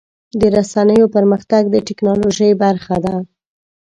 د رسنیو پرمختګ د ټکنالوژۍ برخه ده.